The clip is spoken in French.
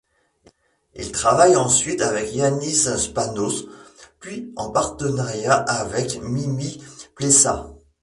Il travaille ensuite avec Yannis Spanos, puis en partenariat avec Mimis Plessas.